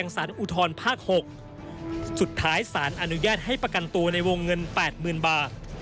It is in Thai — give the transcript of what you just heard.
สุดท้ายสารอนุญาตให้ประกันตัวในวงเงิน๘๐๐๐๐บาท